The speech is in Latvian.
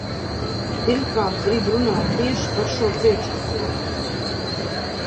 Pirmkārt, gribu runāt tieši par šo priekšlikumu.